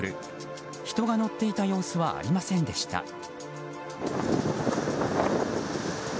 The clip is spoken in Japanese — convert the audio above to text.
人が乗っていた様子はありませんでした。